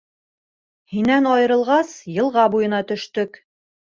Һинән айырылғас, йылға буйына төштөк.